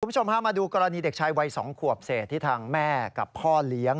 คุณผู้ชมพามาดูกรณีเด็กชายวัย๒ขวบเศษที่ทางแม่กับพ่อเลี้ยง